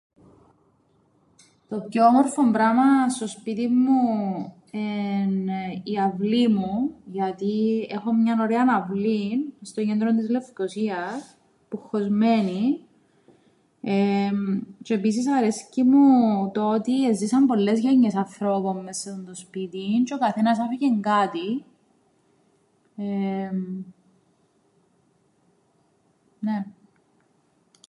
Το πιο όμορφον πράμαν στο σπίτιν μου εν' η αυλή μου, γιατί έχω μιαν ωραίαν αυλήν στο κέντρον της Λευκωσίας που 'ν χωσμένη, τζ̆αι επίσης αρέσκει μου το ότι εζήσαν πολλές γενιές ανθρώπων μες σε τούντο σπίτιν τζ̆αι ο καθένας άφηκεν κάτι. Νναι.